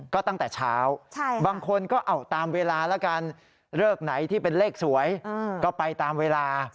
ก็ตั้งแต่เช้าบางคนก็เอาตามเวลาแล้วกันเลิกไหนที่เป็นเลขสวยก็ไปตามเวลา